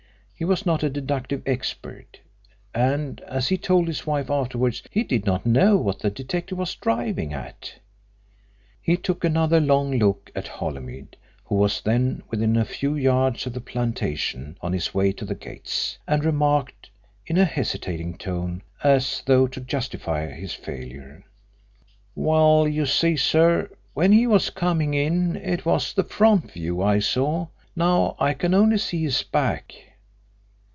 He was not a deductive expert, and, as he told his wife afterwards, he did not know what the detective was "driving at." He took another long look at Holymead, who was then within a few yards of the plantation on his way to the gates, and remarked, in a hesitating tone, as though to justify his failure: "Well, you see, sir, when he was coming in it was the front view I saw, now I can only see his back."